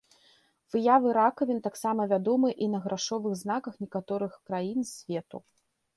Выявы ракавін таксама вядомыя і на грашовых знаках некаторых краін свету.